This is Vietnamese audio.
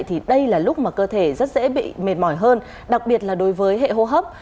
thì đây là lúc mà cơ thể rất dễ bị mệt mỏi hơn đặc biệt là đối với hệ hô hấp